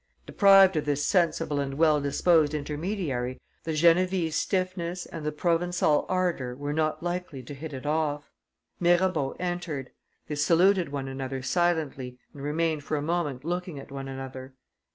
Deprived of this sensible and well disposed intermediary, the Genevese stiffness and the Provencal ardor were not likely to hit it off. Mirabeau entered. They saluted one another silently and remained for a moment looking at one another.